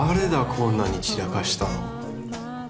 こんなに散らかしたの。